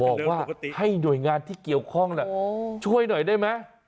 บอกว่าให้หน่วยงานที่เกี่ยวข้องช่วยหน่อยได้ไหม